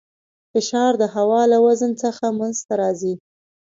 فشار د هوا له وزن څخه منځته راځي.